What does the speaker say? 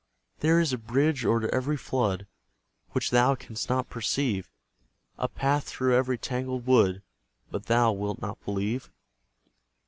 There is a bridge o'er every flood Which thou canst not perceive; A path through every tangled wood, But thou wilt not believe.